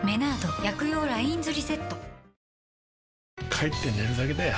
帰って寝るだけだよ